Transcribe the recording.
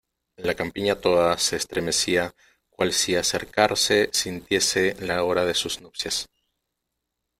la campiña toda se estremecía cual si acercarse sintiese la hora de sus nupcias,